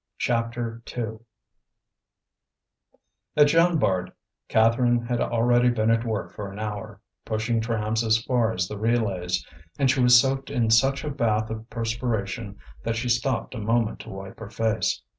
CHAPTER II At Jean Bart, Catherine had already been at work for an hour, pushing trams as far as the relays; and she was soaked in such a bath of perspiration that she stopped a moment to wipe her face.